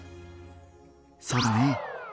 そうだね。